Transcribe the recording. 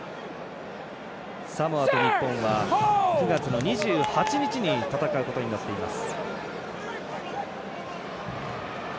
サモアと日本は９月の２８日に戦うことになっています。